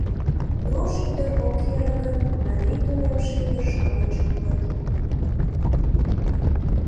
Руш ӱдыр ок йӧрӧ гын, марий тунемше ӱдыр-шамыч улыт.